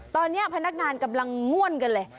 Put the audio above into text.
ตอนนี้พนักงานกำลังง่วนกันเลย